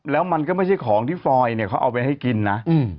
แล้วมันก็ไม่ใช่ของที่ฟอยเนี่ยเขาเอาไปให้กินนะ